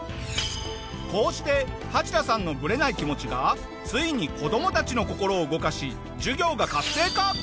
こうしてハチダさんのブレない気持ちがついに子どもたちの心を動かし授業が活性化。